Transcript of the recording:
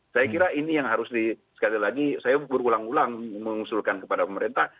saya kira ini yang harus di sekali lagi saya berulang ulang mengusulkan kepada pemerintah